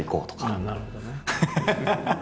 ああなるほどね。